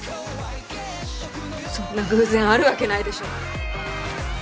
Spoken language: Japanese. そんな偶然あるわけないでしょ！